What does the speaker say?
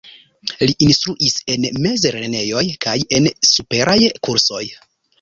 Li instruis en mezlernejoj kaj en superaj kursoj.